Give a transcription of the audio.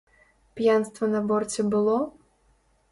П'янства на борце было?